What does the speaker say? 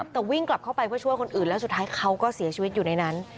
แต่วิ่งกลับเข้าไปเพื่อช่วยคนอื่นแล้วสุดท้ายเขาก็เสียชีวิตอยู่ในนั้น